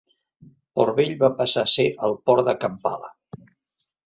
Port Bell va passar a ser el port de Kampala.